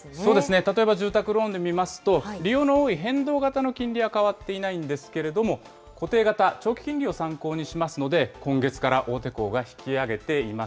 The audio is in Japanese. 例えば、住宅ローンで見ますと、利用の多い変動型の金利は変わっていないんですけれども、固定型、長期金利を参考にしますので、今月から大手行が引き上げています。